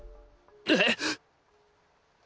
えっ！